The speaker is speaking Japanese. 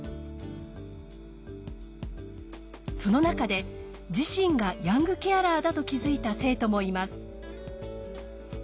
その中で自身がヤングケアラーだと気づいた生徒もいます。